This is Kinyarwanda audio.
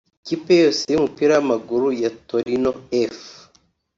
Ikipe yose y’umupira w’amaguru ya Torino F